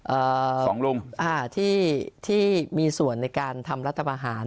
อ่าสองลุงอ่าที่ที่มีส่วนในการทำรัฐบาหาร